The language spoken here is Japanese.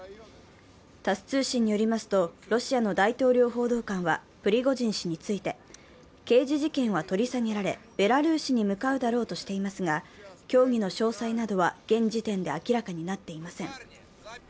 タス通信によりますと、ロシアの大統領報道官はプリゴジン氏について、刑事事件は取り下げられ、ベラルーシに向かうだろうとしていますが、協議の詳細などは現時点で明らかになっていません。